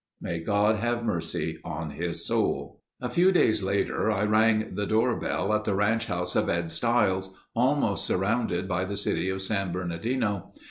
May God have mercy on his soul. A few days later I rang the doorbell at the ranch house of Ed Stiles, almost surrounded by the city of San Bernardino.